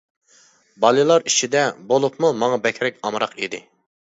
بالىلار ئىچىدە بولۇپمۇ ماڭا بەكرەك ئامراق ئىدى.